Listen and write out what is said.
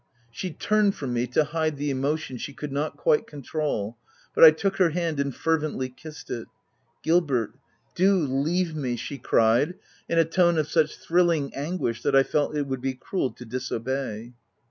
She turned from me to hide the emotion she could not quite controul ; but I took her hand and fervently kissed it. u Gilbert, do leave me !" she cried, in a tone of such thrilling anguish that I felt it would be cruel to disobey.